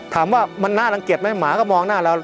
ถามว่ามันน่ารังเกียจไหมหมาก็มองหน้าเรา